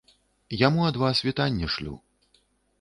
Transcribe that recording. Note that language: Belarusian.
Яму ад вас вітанне шлю.